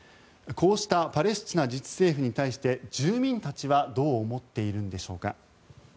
パレスチナ自治政府に対して住民たちはどう思っているんでしょうか。